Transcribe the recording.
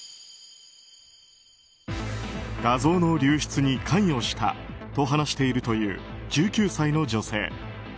画像の流出に関与したと話しているという１９歳の女性。